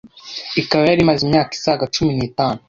Ikaba yari imaze imyaka isaga cumi nitanu